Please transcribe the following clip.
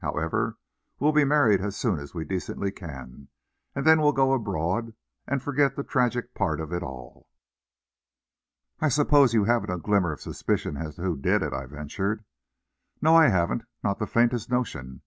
However, we'll be married as soon as we decently can, and then we'll go abroad, and forget the tragic part of it all." "I suppose you haven't a glimmer of a suspicion as to who did it," I ventured. "No, I haven't. Not the faintest notion.